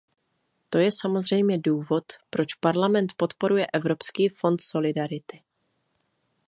To je samozřejmě důvod, proč Parlament podporuje Evropský fond solidarity.